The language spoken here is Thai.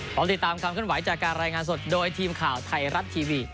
ขอติดตามความเคลื่อนไหวจากการรายงานสดโดยทีมข่าวไทยรัฐทีวี